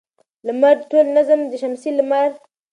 لمر د ټول نظام شمسي لپاره د رڼا منبع ده.